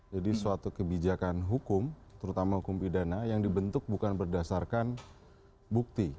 jadi suatu kebijakan hukum terutama hukum pidana yang dibentuk bukan berdasarkan bukti